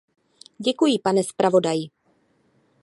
Děkuji, pane zpravodaji.